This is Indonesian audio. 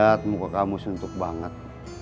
saya lihat muka kamu suntuk banget